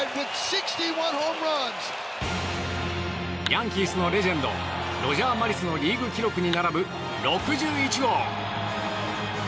ヤンキースのレジェンドロジャー・マリスのリーグ記録に並ぶ６１号。